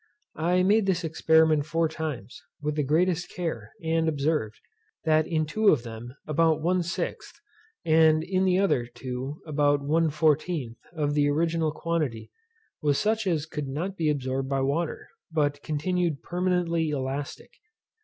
I made this experiment four times, with the greatest care, and observed, that in two of them about one sixth, and in the other two about one fourteenth, of the original quantity, was such as could not be absorbed by water, but continued permanently elastic.